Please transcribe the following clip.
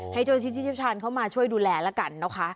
ให้เจ้าชิพชายเข้ามาช่วยดูแลแล้วกันนะคะ